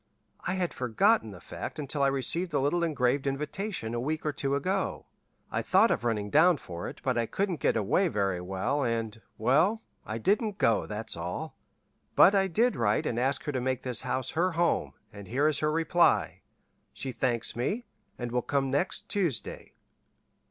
I had forgotten the fact until I received the little engraved invitation a week or two ago. I thought of running down for it, but I couldn't get away very well, and well, I didn't go, that's all. But I did write and ask her to make this house her home, and here is her reply. She thanks me, and will come next Tuesday.